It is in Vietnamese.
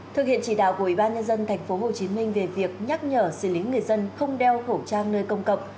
thực hiện chỉ đạo của ủy ban nhân dân tp hcm về việc nhắc nhở xử lý người dân không đeo khẩu trang nơi công cộng